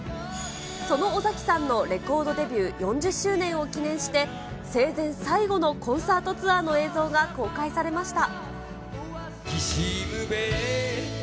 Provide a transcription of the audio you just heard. その尾崎さんのレコードデビュー４０周年を記念して、生前最後のコンサートツアーの映像が公開されました。